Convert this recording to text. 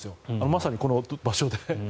まさにこの場所で。